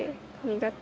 苦手？